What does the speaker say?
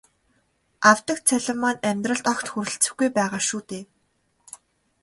Авдаг цалин маань амьдралд огт хүрэлцэхгүй байна шүү дээ.